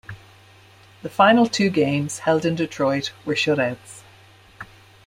The final two games, held in Detroit, were shutouts.